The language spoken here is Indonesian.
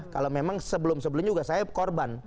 kalau memang sebelum sebelumnya juga saya korban